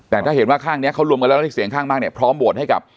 แต่ถ้าเห็นว่าข้างนี้เขารวมกันแล้วแล้วได้เสียงข้างมากเนี่ยพร้อมโหวตให้กับ